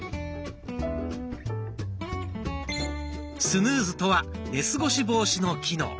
「スヌーズ」とは寝過ごし防止の機能。